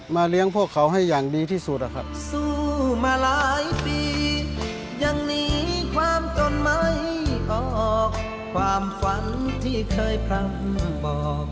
เลี้ยงพวกเขาให้อย่างดีที่สุดนะครับ